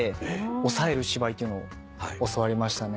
抑える芝居っていうのを教わりましたね。